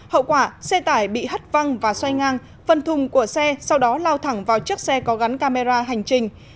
hậu quả xe tải bị hắt văng và xoay ngang phần thùng của xe sau đó lao thẳng vào chiếc xe có gắn camera hành trình